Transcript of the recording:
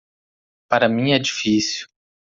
Para mim é difícil.